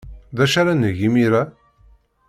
D acu ara neg imir-a?